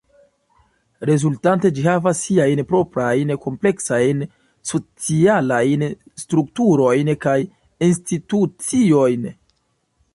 Rezultante ĝi havas siajn proprajn kompleksajn socialajn strukturojn kaj instituciojn.